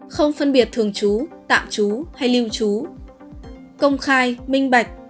không phân biệt thường trú tạm trú hay lưu trú công khai minh bạch